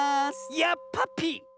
やっぱぴ！